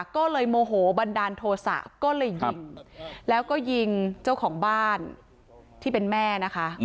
ก็เลยโมโหบันดาลโทษะก็เลยยิงแล้วก็ยิงเจ้าของบ้านที่เป็นแม่นะคะ